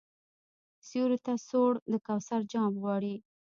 سیوري ته سوړ د کوثر جام غواړي